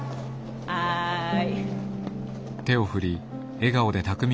はい。